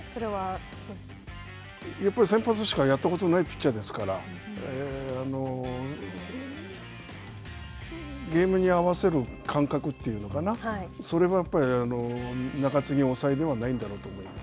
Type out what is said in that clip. やっぱり先発しかやったことがないピッチャーですから、ゲームに合わせる感覚というのかな、それはやっぱり中継ぎ、抑えではないんだろうと思います。